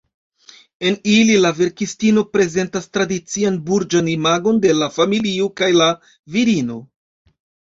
En ili la verkistino prezentas tradician burĝan imagon de la familio kaj la virino.